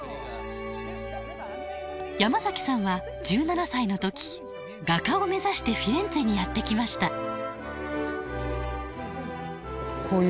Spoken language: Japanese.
ヤマザキさんは１７歳の時画家を目指してフィレンツェにやって来ました。